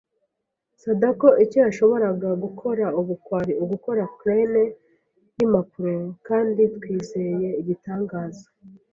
Sadako icyo yashoboraga gukora ubu kwari ugukora crane yimpapuro kandi twizeye igitangaza